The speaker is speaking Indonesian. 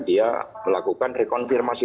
dia melakukan rekonfirmasi